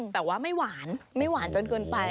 แต่ว่าไม่หวานไม่หวานจนเกินไป